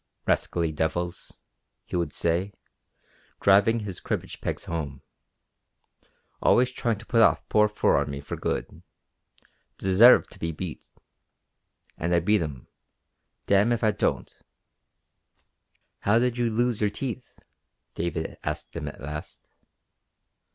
"Rascally devils," he would say, driving his cribbage pegs home. "Always trying to put off poor fur on me for good. Deserve to be beat. And I beat 'em. Dam if I don't." "How did you lose your teeth?" David asked him at last.